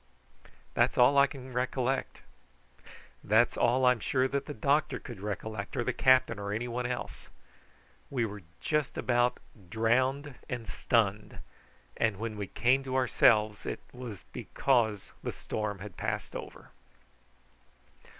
That's all I can recollect. That's all I'm sure that the doctor could recollect, or the captain or anybody else. We were just about drowned and stunned, and when we came to ourselves it was because the storm had passed over.